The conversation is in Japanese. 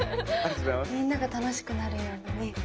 みんなが楽しくなるようなね。ね。